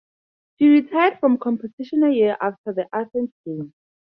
She retired from competition a year after the Athens Games.